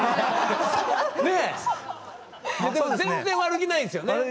でも全然悪気ないんですよね？